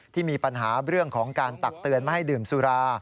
ที่มีปัญหาเรื่องของการตักเตือนไม่ให้ดื่มสุรา